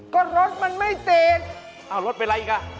ก็รถมันไม่ติดอ้าวรถเป็นอะไรอีกอ่ะ